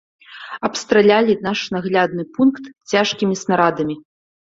Абстралялі наш наглядальны пункт цяжкімі снарадамі.